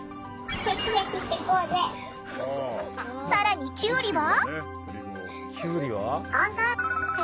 更にキュウリは。